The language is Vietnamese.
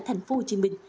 thành phố hồ chí minh